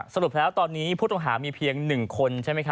สรุปแล้วตอนนี้ผู้ต้องหามีเพียง๑คนใช่ไหมครับ